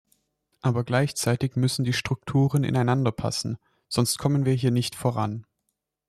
Aber gleichzeitig müssen die Strukturen ineinander passen, sonst kommen wir hier nicht voran.